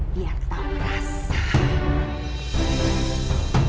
biar tahu rasa